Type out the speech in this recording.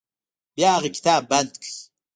بیا هغه کتاب بند کړ.